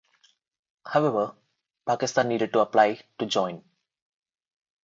However, Pakistan needed to apply to join.